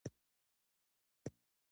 • ثانیې د بریا جوړونکي دي.